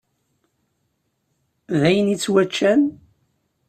D ayen ittwaččan?